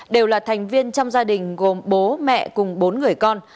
đều là thành viên trong gia đình gồm bố mẹ cùng bốn người con